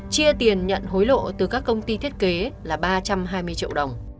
chia tiền nhận hối lộ từ các công ty thiết kế là ba trăm hai mươi triệu đồng